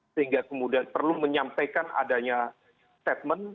sehingga kemudian perlu menyampaikan adanya statement